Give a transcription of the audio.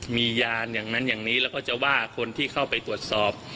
มียานอย่างนั้นอย่างนี้แล้วก็จะว่าคนที่เข้าไปตรวจสอบ